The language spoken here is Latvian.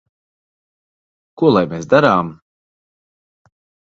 Ko lai mēs darām?